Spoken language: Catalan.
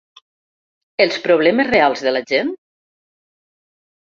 Els problemes reals de la gent?